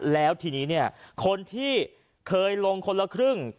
แล้วทีนี้เนี่ยคนที่เคยลงคนละครึ่ง